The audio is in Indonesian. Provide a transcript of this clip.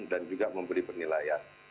dan juga memberi penilaian